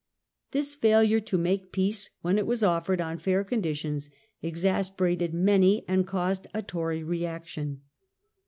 This failure to make peace when it was offered on fair conditions exasperated many and caused a Tory reaction.